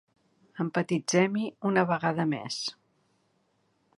Empatitzem-hi una vegada més.